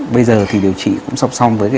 bây giờ thì điều trị cũng xong xong với điều trị